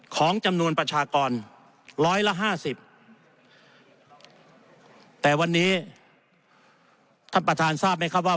ของจำนวนประชากรร้อยละห้าสิบแต่วันนี้ท่านประธานทราบไหมครับว่า